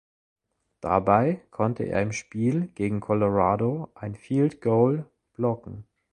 Dabei konnte er im Spiel gegen Colorado ein Field Goal blocken.